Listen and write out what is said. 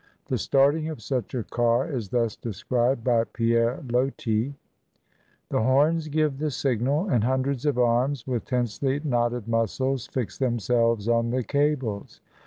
The starting of such a car is thus described by "Pierre Loti": — "The horns give the signal, and hundreds of arms, with tensely knotted muscles, fix themselves on the cables.